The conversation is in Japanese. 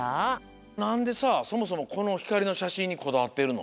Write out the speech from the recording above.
なんでさそもそもこのひかりのしゃしんにこだわってるの？